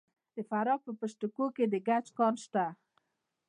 د فراه په پشت کوه کې د ګچ کان شته.